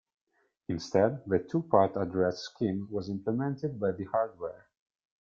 Instead, the two-part address scheme was implemented by the hardware.